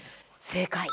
正解。